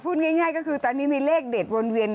พูดง่ายก็คือตอนนี้มีเลขเด็ดวนเวียน